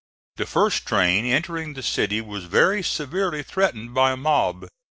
The first train entering the city was very severely threatened by a mob.